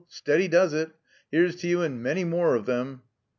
Steady does it. Here's to you and many more of them."